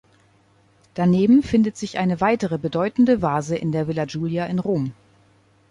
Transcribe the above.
Daneben findet sich eine weitere bedeutende Vase in der Villa Giulia in Rom.